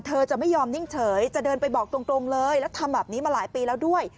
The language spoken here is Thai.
เธอจะไม่ยอมนิ่งเฉยจะเดินไปบอกตรงเลยแล้วทำแบบนี้มาหลายปีแล้วด้วย